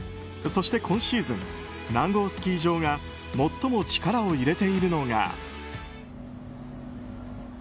そして今シーズン南郷スキー場が最も力を入れているのが。